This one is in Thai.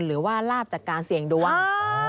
หรือว่าลาบจากการเสี่ยงดวง